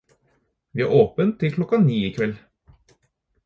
Vi har åpent til klokka ni i kveld.